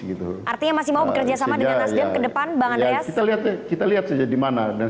itu artinya masih mau bekerja sama dengan nasdem kedepan bang andreas kita lihat saja dimana dan